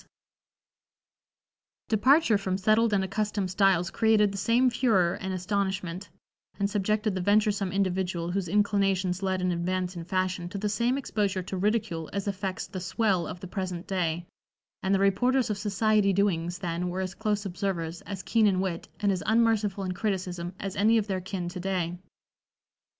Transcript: [Illustration: 1760] Departure from settled and accustomed styles created the same furore and astonishment, and subjected the venturesome individual whose inclinations led an advance in fashion to the same exposure to ridicule as affects the "swell" of the present day, and the reporters of "society doings" then were as close observers, as keen in wit, and as unmerciful in criticism as any of their kin to day.